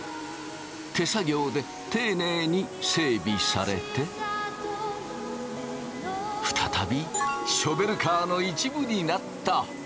手作業でていねいに整備されて再びショベルカーの一部になった。